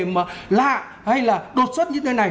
mà lạ hay là đột xuất như thế này